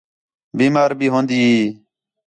بیمار بھی ہون٘دی ہی